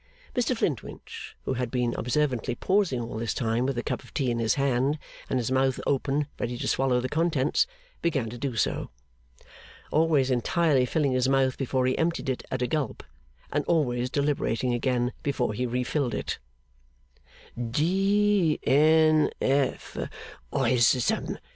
Mr Flintwinch, who had been observantly pausing all this time with a cup of tea in his hand, and his mouth open ready to swallow the contents, began to do so: always entirely filling his mouth before he emptied it at a gulp; and always deliberating again before he refilled it. 'D. N.